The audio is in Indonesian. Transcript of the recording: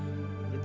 kamu kenapa sih